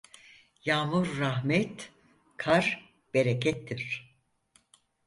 Yağmur rahmet, kar berekettir.